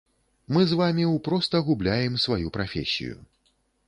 Мы з вамі ў проста губляем сваю прафесію.